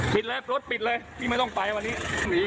ปิดแล้วรถปิดเลยพี่ไม่ต้องไปวันนี้